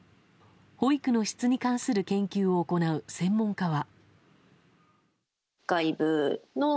保育の質に関する研究を行う専門家は。